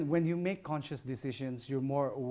ketika anda membuat keputusan yang konsumen